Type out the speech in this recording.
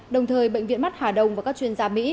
đồng thời bệnh viện mắt hà đông và các chuyên gia mỹ